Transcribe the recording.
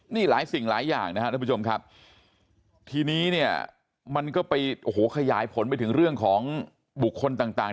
นี่หลายสิ่งหลายอย่างนะครับท่านผู้ชมครับทีนี้เนี่ยมันก็ไปโอ้โหขยายผลไปถึงเรื่องของบุคคลต่าง